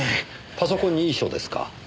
パソコンに遺書ですか。